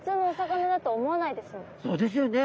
そうですよね。